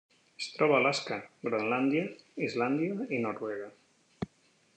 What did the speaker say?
Es troba a Alaska, Groenlàndia, Islàndia i Noruega.